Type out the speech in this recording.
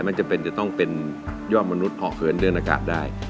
ไม่จำเป็นจะต้องเป็นยอดมนุษย์เหาะเหินเดินอากาศได้